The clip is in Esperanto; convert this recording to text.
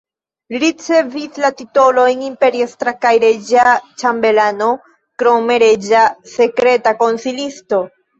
Li ricevis la titolojn imperiestra kaj reĝa ĉambelano, krome reĝa sekreta konsilisto.